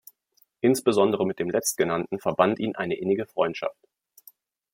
Insbesondere mit dem Letztgenannten verband ihn eine innige Freundschaft.